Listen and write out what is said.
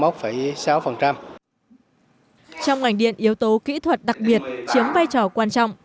trong ngành điện yếu tố kỹ thuật đặc biệt chiếm vai trò quan trọng